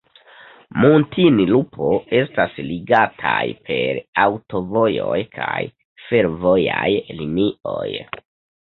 Muntinlupo estas ligataj per aŭtovojoj kaj fervojaj linioj.